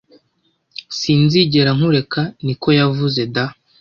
Sinzigera nkureka niko yavuze da,